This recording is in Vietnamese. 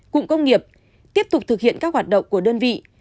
cụm công nghiệp tiếp tục thực hiện các hoạt động của đơn vị